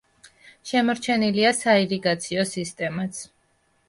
შემორჩენილია საირიგაციო სისტემაც.